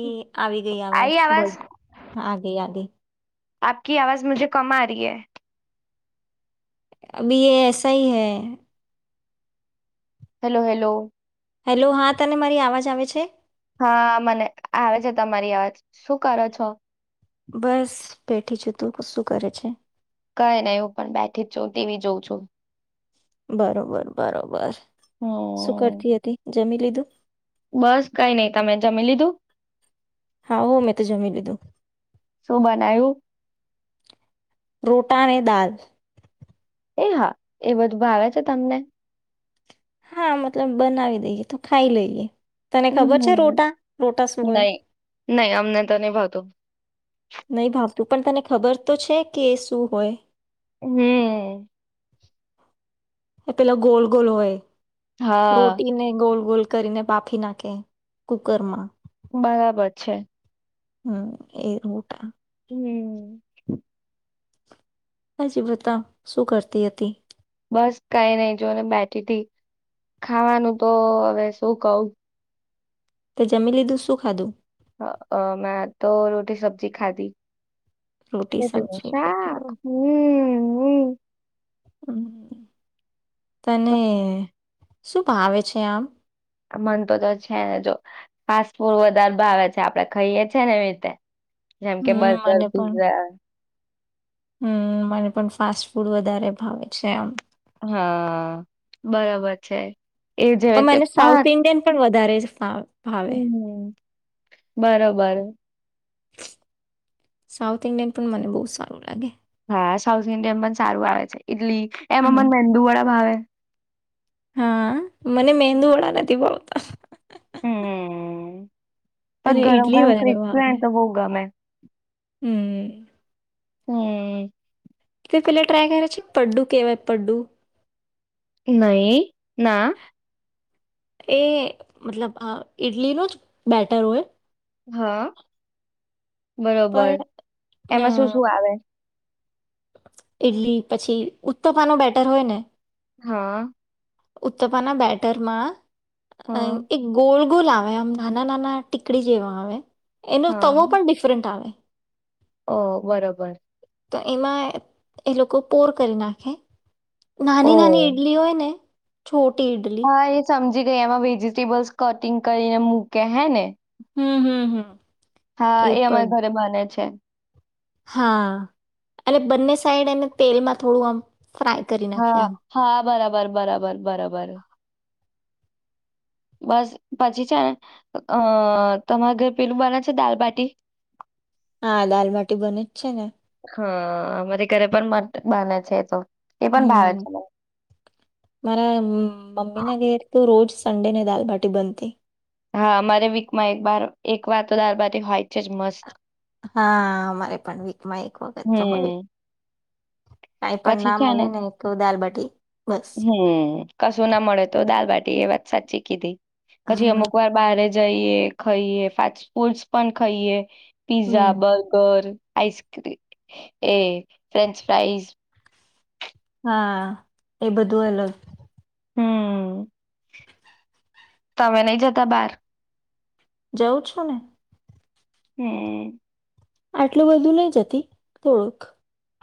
એ આવી ગઈ અવાજ બસ આગઈ આગઈ આપકી આવાજ મુજે કમ આ રહી હ અભી એસા હિ હૈ હેલો હેલો હેલો હા તને મારી અવાજ આવે છે હા મને આવે છે તમારી અવાજ શું કરો છો બસ બેથી છું તું શું કરે છે કઈ નહી હું પણ બેઠી જ છું તેવી જોઉં છું બરોબર બરોબર શું હમ કરતી હતી જમી લીધું બસ કઈ નઈ તમે જમી લીધું હા હો મેં તો જમી લીધું શું બનાવ્યું રોટલા ને દાલ એ હા એ બધું ભાવે છે તમને હા મતલબ બનાવી દઈએ તો ખાઈ લઈએ તને ખબર છે હમ્મ રોટા રોટા શું હોય નહી નહી અમને તો નહી ભાવતું. નહી ભાવતું પણ તને ખબર તો છે કે એ શું હોય. હમ્મ. એ પેલા ગોલ ગોલ હોય. હા રોટીને ગોલ ગોલ કરીને બાફી નાખે કુકરમાં. બરાબર છે. હમ એ રોટા. હમ્મ. હજી બતાવ શું કરતી હતી. બસ કઈ નઈ જોને બેઠીથી ખાવાનું તો અ વે શું કવ. તે જમી લીધું શું ખાધું. અ મેં તો રોટી સબ્જી ખાધી. રોટી [unintelligible] સબ્જી શાખ બરાબર હમ્મ હમ્મ. હમ્મ. તને. શું ભાવે છે આમ? મન તો તો છે ને જો ફાસ્ટ ફૂડ વધારે ભાવે છે આપડે ખાઈએ છીએ ને એવી રીતે. જેમ કે હમ બર્ગર, પિઝઝા. હમ્મ મને પણ ફાસ્ટ ફૂડ વધારે ભાવે છે એમ. હા બરાબર છે. એ જે પણ રીતે મને સાઉથ ઇન્ડિયન પણ વધ ધારે ફા ભાવે હમ્મ બરોબર. સાઉથ ઇન્ડિયન પણ મને બહુ સારું લાગે. હા સાઉથ ઇન્ડિયન પણ સારું આવે છે. ઇટલી, એમાં મને હમ મેંદુ વાળા ભાવે. હા મને મેંદુ વડા નથી ભાવત. [inaudible] હમ્મ. પર અને ગરમ ઈડલી ગરમ ક્રિસ્પ હોય ને તો બો ગમે. [inaudible] હમ્મ. હમ્મ. ત પેલા ટ્રાય કર છે પડ્ડુ કેવાય પડ્ડુ. નહી ના. એ મતલબ અ ઈડલીનું જ બેટર હોય. હા. બરોબર, પણ એમાં શું-શું આવે? ઈડલી પછી ઉત્તપાનો બેટર હોય ને? હા. ઉત્તપાના બેટર માં અહ હા એક ગોલ ગોલ આવે, આમ નાના-નાના ટીકડી જેવા આવે. એનું તવો પણ ડિફરન્ટ આવે. ઓહ! બરોબર. તો એમાં એ લોકો પોર કરી નાખે નાની-નાની ઓ ઈડલી હોય ને છોટી ઇડલી જી ગઈ, એમાં વેજીિટેબલ્સ કટિંગ કરીને મૂકે હે ને? હમ્મ-હમ્મ-હમ્મ. હા એ અમારા ઘરે બને છે. હા અને બંને સાઈડ એને તેલમાં થોડું આમ ફ્રાય કરી નાખીએ હા, આમ હા બરાબ બર બરાબર-બરાબર. બસ પછી છેને અહ તમાર ઘર પેલું બને છે દાલબાટી? હા દાલબાટી બને જ છે ને. હા અમારી ઘરે પણ બન બને છે એ તો. એ પણ ભાવે હમ્મ, છે મને મારા મ મમ્મી ના ઘેર તો રોજ્ સ સંડે ને દાલબાટી બનતી. હા અમારે વીકમાં એક બાર એક વાર તો દાલબાટી હોય છે જ મસ્ત. હા અમારે પણ વીકમાં એક વખત તો બને. હમ કાય પણ ના મલે ને તો દાલબાટ [inaudible] હમ્મ કશું ના મળે તો દાલબાટ એ વાત સાચી કીધી. પછી હા અમુક વાર બારે જ જઈએ, ખઈએ ફાસ ફૂલ્સ પણ ખઈએ. પીઝા, હમ બર્ગર આઈસ્ક્રીમ એ ફ્રેન્ચ ફ્રાઇઝ હા એ બધું અલગ હમ્મ. તમે નય જતા બાર? જવું છું ને. હમ્મ. આટલું બધું નય જતી, થોડુક.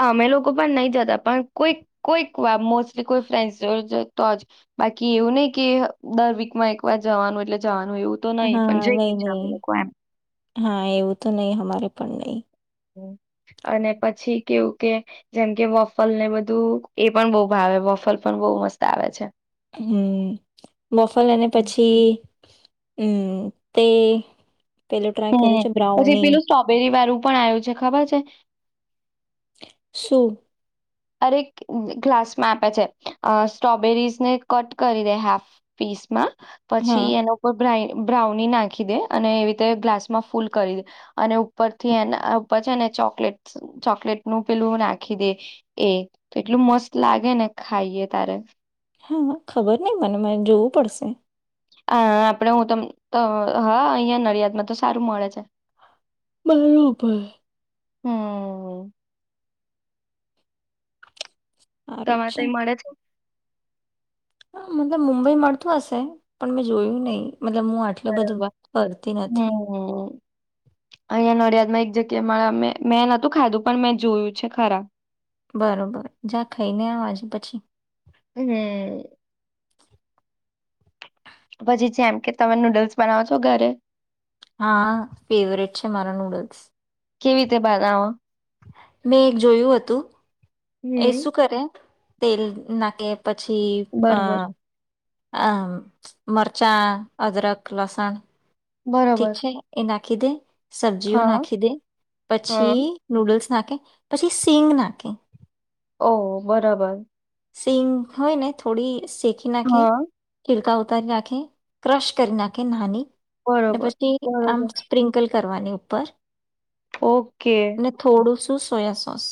અમે લોકો પણ નય જતા પણ કોઈ, કોઈક વાર મોસ્ટલી કોઈ ફ્રેન્ડસ જોતો જ, બાકી એવું નય કે, દર વીકમાં એક વાર જવાનું એટલે જવાનું. એવું તો નહી પણ અના પળ જઈએ છે અમે લોકો એમ નઈ અને પછી કેવું કે, જેમ કે વોફલ ને બધું એ પણ બો ભાવે વોફલ પણ બો મસ્ત આવે છે. હમ્મ, વોફલ અને પછી હમ્મ, તે પેલું ટ્રાય કર્યું હમ્મ, છે પછી બ્રાઉની પેલું સ્ટ્રોબેરી વારું પણ આવ્યું છે, ખબર છે? શું? અરે ગ્લાસમાં આપે છે, અ સ્ટ્રોબેરીઝ ને કટ કરી દે હાફ પીસમાં હા પછી એનો ઉપર બ્ર બ્રાઉની નાખી દે અને એવી રીતે ગ્લાસ માં ફૂલ કરી દે, અને ઉપરથી એના અ ઉપર છે એને ચોકલેટસ ચોકલેટનું પેલું નાખી દે. એ તો એટલું મસ્ત લાગે ને ખાઈએ તારે. હે, ખબર નહી મને મ જોવું પડશે. હા આપડે હું તમ ત હા અહિયાં નડિયાદમાં તો સારું મળે છે. બરોબર. હમ્મ્મ. સારું તમારે તઈ મળે છે. હ મતલબ મુંબઈ મળતું હશે, પણ મેં જોયું નહી. મતલબ હું આટલું બધું બરોબર. ફરતી નથી. હમ. અહિયાં નડિયાદમાં એક જગ્યા મા મે મેં નતું ખાધું પણ મેં જોયું છે ખરા. બરોબર, જા ખાઈ ને આવ આજે પછી. હમ્મ. પછી જેમ કે તમે નૂડલ્સ બનાવો છો ઘરે? હા, ફેવરેટ છે મારા નૂડલ્સ. કેવી તે બનાવો? મેં એક જોયું હતું, એ હમ. શું કરે તેલ નાકે પછી અ બરોબર અ મરચાં, અદરક, લસણ ઠીક બરોબર છે એના ખી દે સબ્જીઓ હા નાખી દે હા પછી નૂડલ્સ નાખે, પછી સિંગ નાખે. ઓ બરાબર. સિંગ હોય ને થોડી તેખી નાખે, હા કિરકા ઉતારી નાખે, ક્રશ કરી નાખે નાહની ને બરોબર પછી આમ બરોબર સ્પ્રિન્કલ કરવાની ઉપર. ઓકે. ટું સોયા સોસ.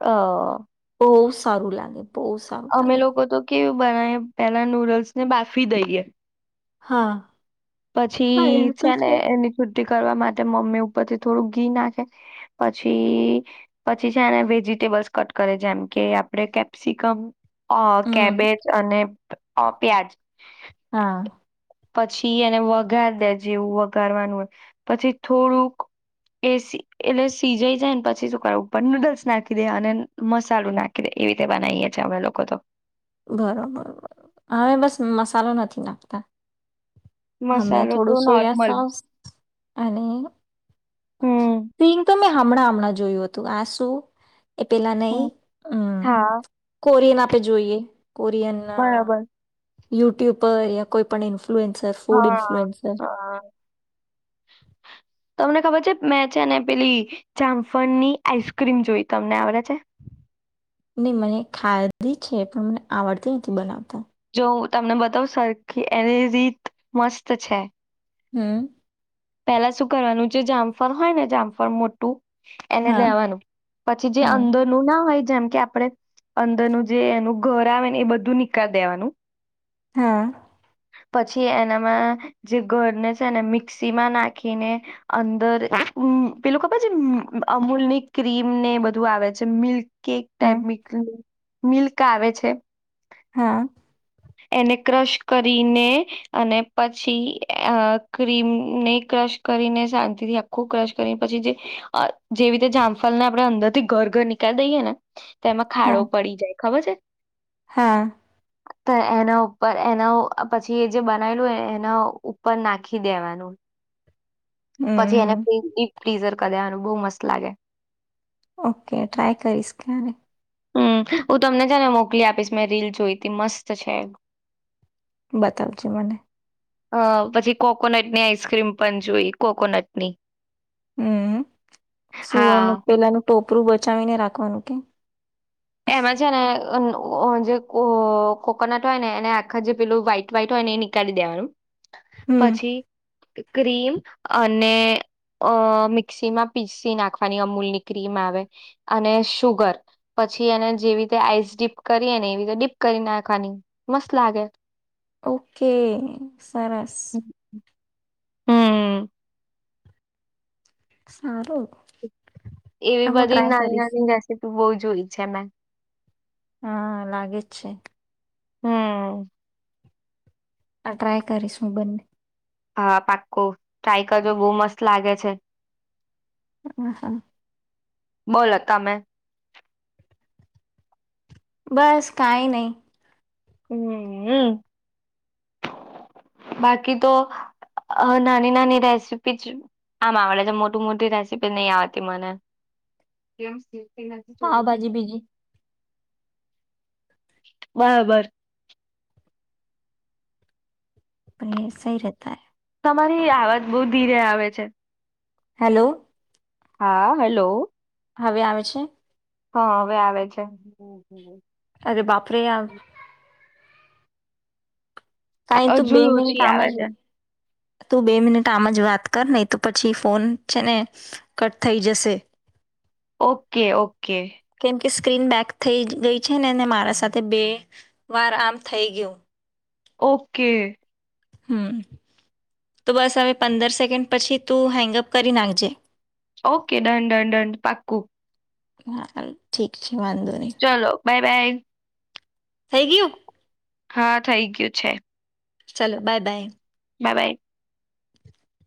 અ બઉ સારું લાગે. બઉ સારું લાગે. કેવી બનાવી પેલા નૂડલ્સ ને બાફી દઈએ. હા. હા એ પછી તો છે ને એની [unintelligible] કરવા માટે મમ્મી ઉપરથી થોડું ઘી નાખે પછી પછી છેને વેજીિટેબલ્સ કટ કરે જેમ કે આપડે કેપ્સિકમ અ હમ કેબેજ અને અ પ્યાજ હા. પછી પી એને વઘાર દે જેવું વઘારવાનું હોય પછી થોડુંક એસી એટલે સીજાઈ જાયને પછી શક ઉપર નૂડલ્સ નાખી દે અને મસાલો નાખી દે એવી રીતે બનાવીએ છેએ અમે લોકો તો. બરોબર હવે બસ મસાલો નથી નાખતા. અમે મસાલો તો થોડું સોયા નોર્મલ. સોસ અને હમ પિંગ તો મે હમણાં હમણાં જોયું હતું આ શું એ પેલા નહી હમ. હમ્મ હા કોરીના તે જોઈએ. કોરિયન ના બરાબર યુટ્યુબ પર યા કોઈ પણ ઇ ઈનફ્લુએન્સર ફૂડ હા ઇન્ફૂએન્સર હા તમને ખબર છે મેં છે ને પેલી જામફણની આઈસક્રીમ જોઈ તમને આવડે છે? નહી મને ખાધી છે પણ મને આવડતી નથી બનાવતા. હુ તમને બતાવ સરખી એની રીત મસ્ત છે. હમ્મ. પેલા શું કરવાનું છે જામફળ હોય ને જામફળ મોટું એને હા લેવાનું પછી જે હા અંદરનું ના હોય જેમ કે આપડે અંદરનું જે એનું ઘર આવે ને એ બધું નિકાલ દેવાનું. હા. પછી એનામાં જે ઘરને છે ને મિક્સ સીમા નાખીને અંદર [unintelligible] પેલું ખબર છે અમૂલ ની ક્રીમ ને બધું આવે છે મિલ્ક કેક ટાઈપ હા બી ક મિલ્ક આવે છે. હા. એને ક્રશ કરીને અને પછી અ ક્રીમ ને ક્રશ કરીને શાંતિ થી આખું ક્રશ કરીને પછી જે જેવી રીતે જામફલ ને આપડે અંદર થી ઘર ઘર નીકાળી દઈએ ને તેમાં ખાડો હા પડી જાય. ખબર છે? હા તો એના ઉપર એના પછી એ જે બનાયલું હોય એના ઉપર નાખી દેવાનુ પછી એને હમ પેલું ડીપ ફ્રીઝર કર દેવાનું બો મસ્ત લાગે. ઓકે ટ્રાય કરીશ ક્યારે. હમમ હું તમને છે ને મોકલી આપીશ મેં રીલ જોઈ તી મસ્ત છે. બતાવજે મને અ પછી કોકોનટની આઈસક્રીમ પણ જોઈ કોકોનટ ની. હમમ સુવન હા પેલાનું ટોપ ટોપરું બચાવીને રાખવાનું કે એમાં છે ને અ ઓજો જે કોકોનટ હોય ને એને આખા જે પેલું વ્હાઈટ વ્હાઈટ હોય ને એ નીકાળી દેવાનું. હમ પછી ક્રીમ અને અ મિક્સી માં પીસી નાખવાની અમૂલની ક્રીમ આવે અને શુગર પછી એને જેવી રીતે આઈસ ડીપ કરીએ ને એવી રીતે ડીપ કરી નાખવાની મસ્ત લાગે. ઓકે સરસ. હમ સારું. એવી આમ હું બધી ટ્રાય નાની કરીશ નાની રેસીપી બો જોઈ છે મેં. હા લાગે જ છે. હા અ આ ટ્રાય કરીશું બંને હા પાક્કુ ટ્રાય કરજો બો મસ્ત લાગે છે. હા હા. બોલો તમેં બસ કાય નહી. હમમ અ બાકી તો અ નાની નાની રેસીપી જ આમ આવેડે છે મોટી મોટી રેસીપી નહી આવડતી મને. પાાવભાજી બીજી બરાબર. યે સહી રહેતા હે તમારી આવાજ બો ધીરે આવે છે. હેલો. હા હેલો. હવે આવે છે. હા હવે આવે છે. અરે બાપરે આ કાઈ તો હજુ બે મિનિટ ઓછી આમ આવે જ છે. તું બે મિનિટ આમ જ વાત કર નહી તો પછી ફોન છે ને કટ થઈ જશે. ઓકે-ઓકે. કેમ સ્ક્રીન બેક થઈ ગઈ છે ને મારા સાથે બે વાર આમ થઈ ગયું. ઓકે. હમ્મ. તો બસ હવે પંદર સેકન્ડ પછી તું હેંગઅપ કરી નાખજે. ઓકે, ડન-ડન-ડન પાક્કું. હા હાલ ઠીક છે. વાંધો નહી. બાય-બાય. થઈ ગયું? હા થઇ ગયું છે. ચલો, બાય-બાય. બાય-બાય.